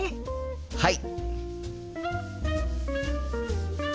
はい！